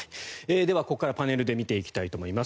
では、ここからはパネルで見ていきたいと思います。